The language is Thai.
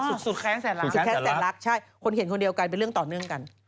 สุดแค้นแสนรักใช่คนเขียนคนเดียวกันเป็นเรื่องต่อเรื่องกัน